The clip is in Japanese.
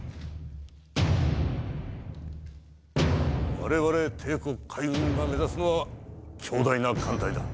われわれ帝国海軍が目指すのは強大な艦隊だ。